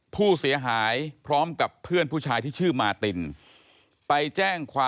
ผู้เสียหายพร้อมกับเพื่อนผู้ชายที่ชื่อมาติน